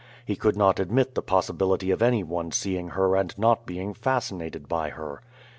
He could not admit the possibility of anyone seeing her and not being fascinated by her.